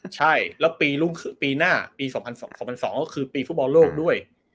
ใช่แล้วปีหน้าปี๒๐๐๒ก็คือปีฟุตบอลโลกด้วย